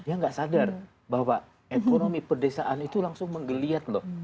dia nggak sadar bahwa ekonomi perdesaan itu langsung menggeliat loh